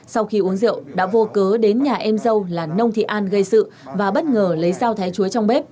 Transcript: sau khi uống rượu đã vô cớ đến nhà em dâu là nông thị an gây sự và bất ngờ lấy dao thái chúa trong bếp